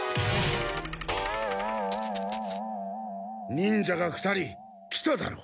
忍者が２人来ただろう。